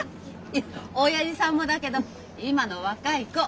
いやおやじさんもだけど今の若い子。